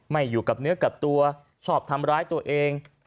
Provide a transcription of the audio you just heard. ไม่อยู่กับเนื้อกับตัวชอบทำร้ายตัวเอง